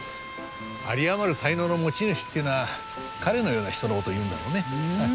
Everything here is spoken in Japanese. あり余る才能の持ち主っていうのは彼のような人の事を言うんだろうね。